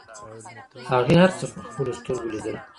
هغې هر څه په خپلو سترګو لیدل.